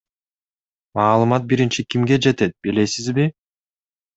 Маалымат биринчи кимге жетет, билесизби?